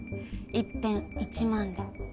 １点１万で。